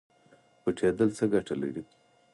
پټیدل څه ګټه لري؟